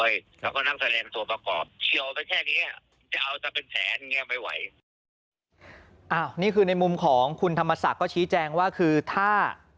นี่คือในมุมของคุณธรรมศักดิ์ก็ชี้แจงว่าคือถ้า